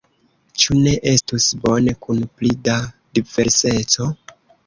Ĉu ne estus bone kun pli da diverseco?